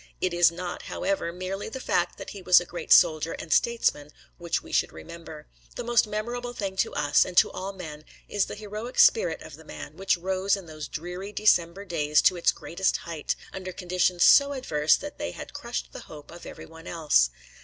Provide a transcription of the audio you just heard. It is not, however, merely the fact that he was a great soldier and statesman which we should remember. The most memorable thing to us, and to all men, is the heroic spirit of the man, which rose in those dreary December days to its greatest height, under conditions so adverse that they had crushed the hope of every one else.